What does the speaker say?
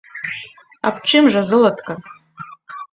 Аб чым жа, золатка?